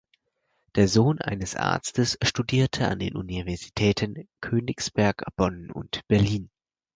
Der Sohn eines Arztes studierte an den Universitäten Königsberg, Bonn und Berlin.